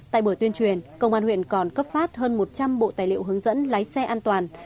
tại buổi tuyên truyền công an huyện còn cấp phát hơn một trăm linh bộ tài liệu hướng dẫn lái xe an toàn